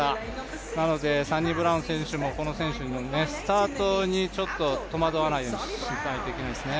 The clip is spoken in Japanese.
サニブラウン選手もスタートにちょっと戸惑わないようにしないといけないですよね。